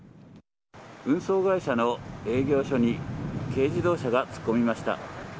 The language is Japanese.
運送会社の営業所に軽自動車が突っ込みました。